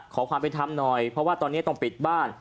ขอความเป็นธรรมหน่อยเพราะว่าตอนนี้ต้องปิดบ้าน